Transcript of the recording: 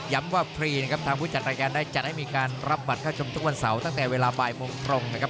ว่าฟรีนะครับทางผู้จัดรายการได้จัดให้มีการรับบัตรเข้าชมทุกวันเสาร์ตั้งแต่เวลาบ่ายโมงตรงนะครับ